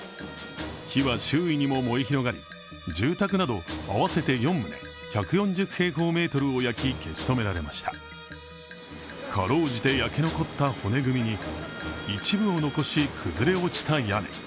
火は周囲にも燃え広がり住宅など合わせて４棟、１４０平方メートルを焼き消し止められました。かろうじて焼け残った骨組みに一部を残し、崩れ落ちた屋根。